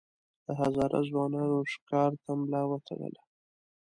د هزاره ځوانانو ښکار ته ملا وتړله.